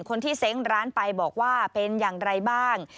คนที่เซ้งร้านไปบอกว่าเป็นอย่างไรบ้าง